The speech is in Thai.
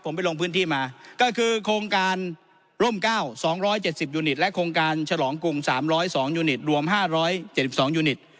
ผมไปลงพื้นที่มาก็คือโครงการร่ม๙๒๗๐ยูนิตและโครงการฉลองกรุง๓๐๒ยูนิตรวม๕๗๒ยูนิต